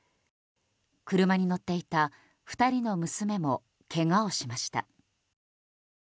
車に乗っていた２人の娘もけがをしました。